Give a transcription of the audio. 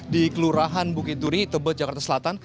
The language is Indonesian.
di kelurahan bukit duri tebet jakarta selatan